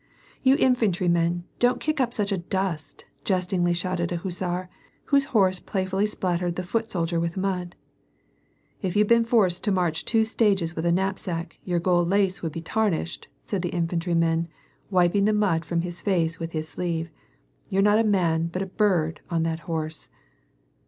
You infantry men, don't kick up such a dust !" jestingly shouted a hussar, whose horse playfully spattered the foot soldier with mud. " If you'd been forced to march two stages with a knapsack, your gold lace would be tarnished," said the infantry man, wiping the mud from his face with his sleeve. " You're not a man but a bird, on that horse